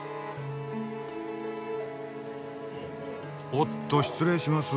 おっと失礼します。